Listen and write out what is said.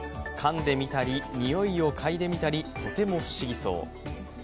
かんでみたり、においをかいでみたり、とても不思議そう。